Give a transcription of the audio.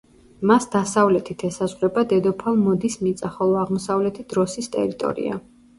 მას დასავლეთით ესაზღვრება დედოფალ მოდის მიწა, ხოლო აღმოსავლეთით როსის ტერიტორია.